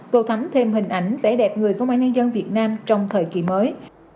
cầu thắm thêm hình ảnh tẻ đẹp người công an nhân dân việt nam trong thời kỳ mới